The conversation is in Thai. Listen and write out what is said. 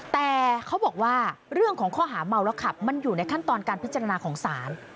แต่เขาบอกว่าเรื่องของข้อหาเมาแล้วขับมันอยู่ในขั้นตอนการพิจารณาของศาล